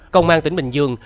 công an tỉnh bình dương